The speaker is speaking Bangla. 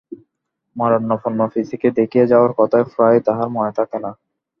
মরণাপন্ন পিসিকে দেখিয়া যাওয়ার কথা প্রায়ই তাহার মনে থাকে না।